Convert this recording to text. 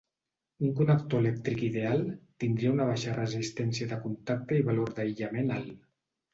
Un connector elèctric ideal tindria una baixa resistència de contacte i valor d'aïllament alt.